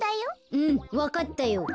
うんわかったよ。